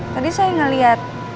tadi saya ngeliat